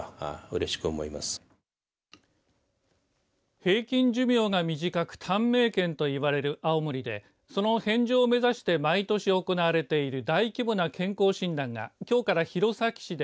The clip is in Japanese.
平均寿命が短く短命県といわれる青森でその返上を目指して毎年行われている大規模な健康診断がきょうから弘前市で